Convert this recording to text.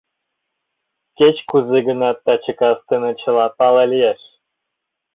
Кеч-кузе гынат, таче кастене чыла пале лиеш.